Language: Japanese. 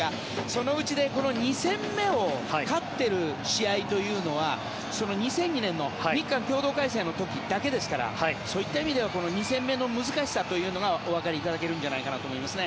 そのうちこの２戦目を勝っている試合というのは２００２年の日韓共同開催の時だけですからそういった意味では２戦目の難しさというのがおわかりいただけるんじゃないかと思います。